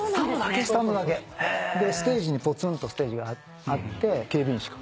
スタンドだけ。でステージにぽつんとステージがあって警備員しか。